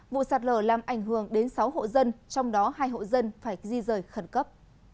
vụ sạt lở làm ảnh hưởng đến sáu hộ dân trong đó hai hộ dân phải di rời khẩn cấp